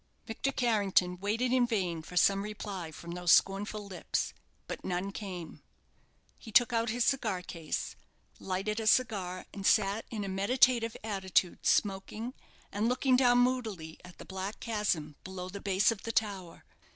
Victor Carrington waited in vain for some reply from those scornful lips; but none came. He took out his cigar case, lighted a cigar, and sat in a meditative attitude, smoking, and looking down moodily at the black chasm below the base of the tower.